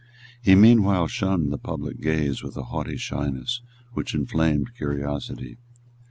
He meanwhile shunned the public gaze with a haughty shyness which inflamed curiosity.